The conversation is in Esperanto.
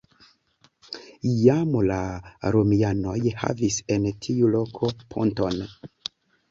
Jam la romianoj havis en tiu loko ponton.